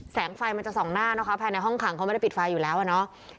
ไฟมันจะส่องหน้านะคะภายในห้องขังเขาไม่ได้ปิดไฟอยู่แล้วอ่ะเนาะ